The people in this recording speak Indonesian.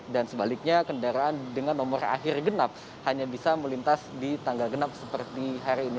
dan sebaliknya kendaraan dengan nomor akhir genap hanya bisa melintas di tangga genap seperti hari ini